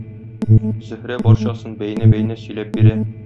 Зөһрә барчасын бәйнә-бәйнә сөйләп бирә.